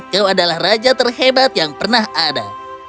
kau adalah raja terhebat yang pernah ada